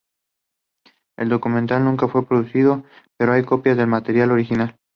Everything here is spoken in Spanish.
El documental nunca fue producido pero hay copias del material original.